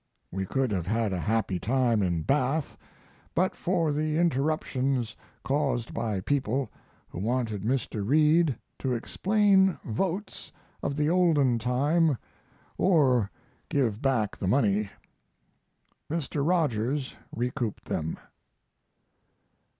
We could have had a happy time in Bath but for the interruptions caused by people who wanted Mr. Reed to explain votes of the olden time or give back the money. Mr. Rogers recouped them.